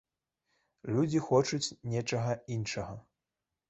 Людзі хочуць нечага іншага.